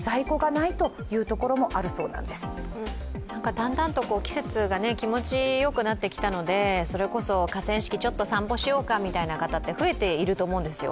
だんだんと季節が気持ちよくなってきたのでそれこそ河川敷、ちょっと散歩しようかという方、増えていると思うんですよ。